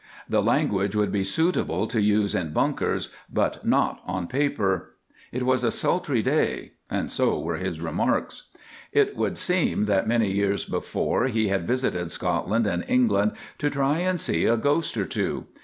The language would be suitable to use in bunkers, but not on paper. It was a sultry day. So were his remarks. It would seem that many years before, he had visited Scotland and England to try and see a ghost or two.